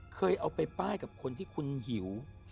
เคยเอาไปป้ายกับคนที่คุณหิว